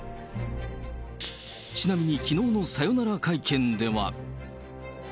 ちなみにきのうのさよなら会見では。